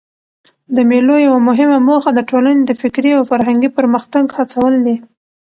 د مېلو یوه مهمه موخه د ټولني د فکري او فرهنګي پرمختګ هڅول دي.